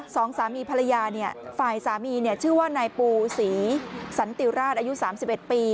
สองสามีภรรยาเนี่ยฝ่ายสามีเนี่ยชื่อว่านายปูศรีสันติราชอายุสามสิบเอ็ดปี